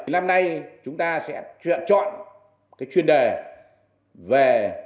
lâm nay chúng ta sẽ chọn cái chuyên đề về